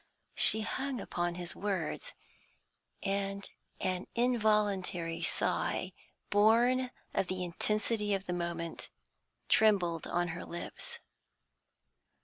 She hung upon his words, and an involuntary sigh, born of the intensity of the moment, trembled on her lips.